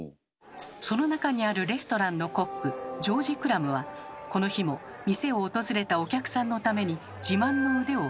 その中にあるレストランのコックジョージ・クラムはこの日も店を訪れたお客さんのために自慢の腕を振るっていました。